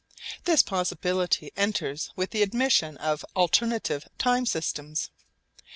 This possibility enters with the admission of alternative time systems.